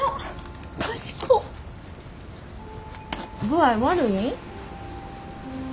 具合悪いん？